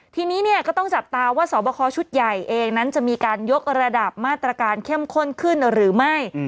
ทีนี้เนี่ยก็ต้องจับตาว่าสอบคอชุดใหญ่เองนั้นจะมีการยกระดับมาตรการเข้มข้นขึ้นหรือไม่